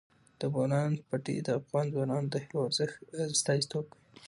د بولان پټي د افغان ځوانانو د هیلو استازیتوب کوي.